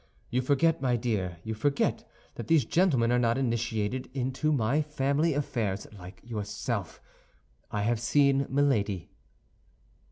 "You forget, my dear, you forget that these gentlemen are not initiated into my family affairs like yourself. I have seen Milady."